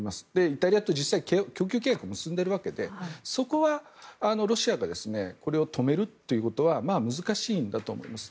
イタリアと実際供給契約を結んでいるわけでそこはロシアがこれを止めるということは難しいんだと思います。